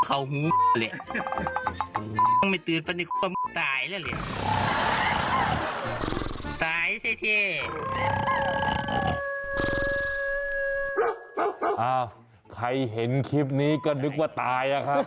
อ้าวใครเห็นคลิปนี้ก็นึกว่าตายอ่ะค่ะ